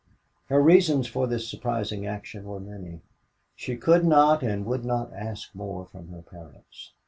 Her reasons for this surprising action were many. She could not and would not ask more from her parents.